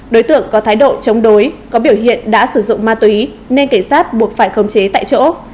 đối tượng có thái độ chống đối có biểu hiện đã sử dụng ma túy nên cảnh sát buộc phải không chế tại chỗ